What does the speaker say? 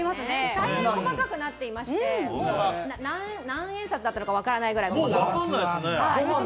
大変細かくなっていまして、何円札だったのか分からないくらい。